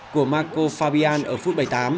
của marco fabian ở phút bảy tám